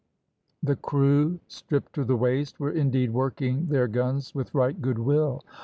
The crew, stripped to the waist, were indeed working their guns with right good will.